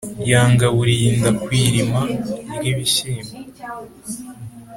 Yangaburiye inda kw'irima ry'ibishyimbo;